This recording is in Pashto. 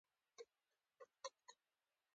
خپل به نشي بنيادم پۀ احسان چرې